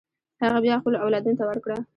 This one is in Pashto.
هغه بیا خپلو اولادونو ته ورکړه.